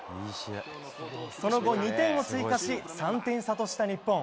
その後、２点を追加し３点差とした日本。